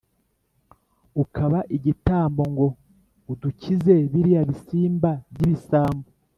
Ukaba igitambo ngo udukize biriya bisimba by'ibisambo